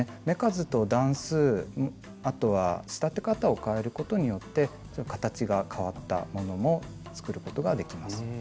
目数と段数あとは仕立て方を変えることによって形が変わったものも作ることができます。